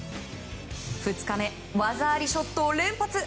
２日目、技ありショットを連発。